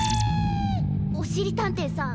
おしりたんていさん